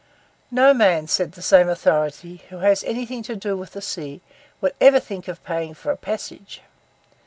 'No man,' said the same authority, 'who has had anything to do with the sea, would ever think of paying for a passage.